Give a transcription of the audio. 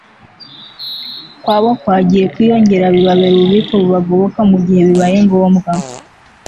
kwabo kwagiye kwiyongera bibabera ububiko bubagoboka mu gihe bibaye ngombwa